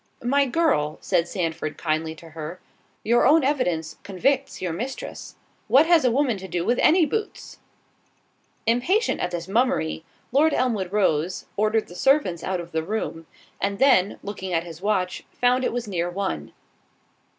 "My girl," said Sandford kindly to her, "your own evidence convicts your mistress—What has a woman to do with any boots?" Impatient at this mummery, Lord Elmwood rose, ordered the servants out of the room, and then, looking at his watch, found it was near one.